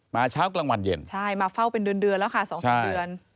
เช้ากลางวันเย็นใช่มาเฝ้าเป็นเดือนเดือนแล้วค่ะ๒๓เดือน